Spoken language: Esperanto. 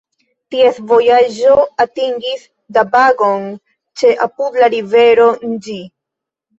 Ties vojaĝo atingis Dabagon ĉe apud la Rivero Nĝi.